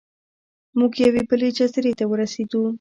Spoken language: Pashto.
موږ یوې بلې جزیرې ته ورسیدو.